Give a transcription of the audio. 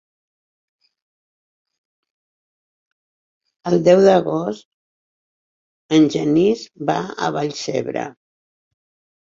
El deu d'agost en Genís va a Vallcebre.